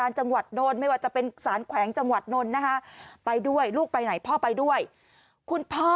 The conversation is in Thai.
อันนี้พ่อคุณกระติก